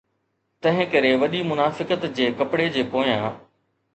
تنهنڪري وڏي منافقت جي ڪپڙي جي پويان.